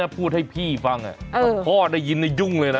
พูดให้พี่ฟังพ่อได้ยินยุ่งเลยนะ